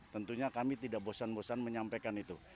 tentunya kami tidak bosan bosan menyampaikan itu